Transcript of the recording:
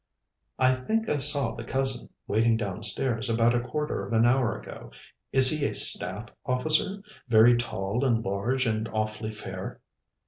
"I think I saw the cousin, waiting downstairs about a quarter of an hour ago. Is he a Staff Officer, very tall and large, and awfully fair?"